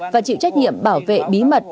và chịu trách nhiệm bảo vệ bí mật